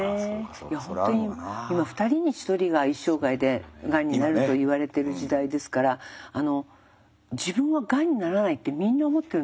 いや本当に今２人に１人が一生涯でがんになるといわれてる時代ですから自分はがんにならないってみんな思ってるんです。